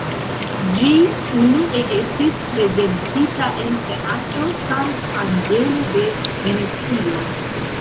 Ĝi unue estis prezentita en Teatro Sant'Angelo de Venecio.